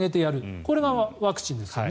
これがワクチンですよね。